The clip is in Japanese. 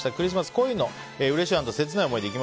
恋のうれしい＆切ない思い出。